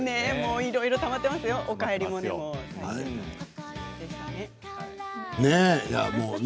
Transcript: いろいろたまっていますよ「おかえりモネ」もね。